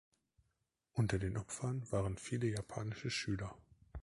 Unter den Opfern waren viele japanische Schüler.